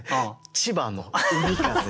「千葉の海風」。